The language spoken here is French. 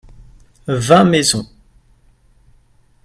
vingt maisons.